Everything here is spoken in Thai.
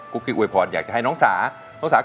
คุณแม่รู้สึกยังไงในตัวของกุ้งอิงบ้าง